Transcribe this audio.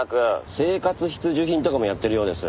生活必需品とかもやってるようです。